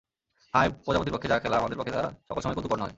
হায়, প্রজাপতির পক্ষে যাহা খেলা আমাদের পক্ষে তাহা সকল সময়ে কৌতুকের নহে।